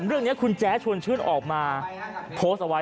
เรื่องนี้คุณแจ๊ชวนชื่นออกมาโพสต์เอาไว้